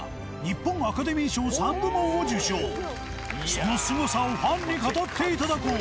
そのすごさをファンに語って頂こう！